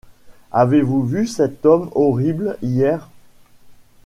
Avez-vous vu cet homme horrible hier?